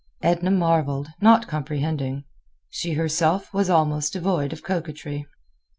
Edna marveled, not comprehending. She herself was almost devoid of coquetry.